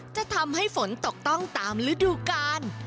จะทำให้ฝนตกต้องตามฤดูกาล